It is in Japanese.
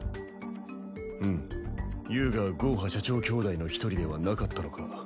ふむ遊我はゴーハ社長兄弟の１人ではなかったのか。